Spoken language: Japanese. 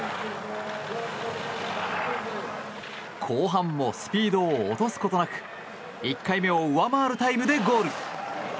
後半もスピードを落とすことなく１回目を上回るタイムでゴール。